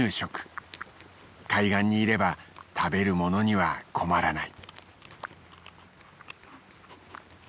海岸にいれば食べるものには困らない。